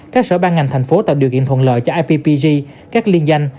các sở ban ngành thành phố tạo điều kiện thuận lợi cho ippg các liên danh